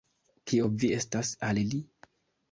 Kio vi estas al li?